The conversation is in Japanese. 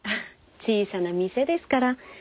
小さな店ですから。